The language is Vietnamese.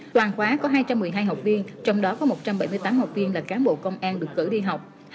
toàn khóa có hai trăm một mươi hai học viên trong đó có một trăm bảy mươi tám học viên là cán bộ công an được cử đi học